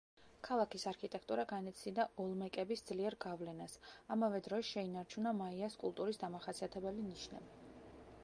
ქალაქის არქიტექტურა განიცდიდა ოლმეკების ძლიერ გავლენას, ამავე დროს შეინარჩუნა მაიას კულტურის დამახასიათებელი ნიშნები.